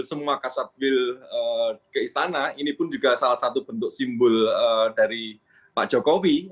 semua kasat wil ke istana ini pun juga salah satu bentuk simbol dari pak jokowi